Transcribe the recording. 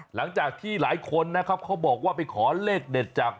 หลังจากที่หลายคนนะครับเขาบอกว่าไปขอเลขเด็ดจาก